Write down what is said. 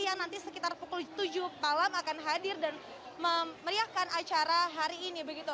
yang nanti sekitar pukul tujuh malam akan hadir dan memeriahkan acara hari ini begitu